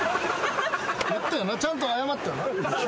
言ったよなちゃんと謝ったよな。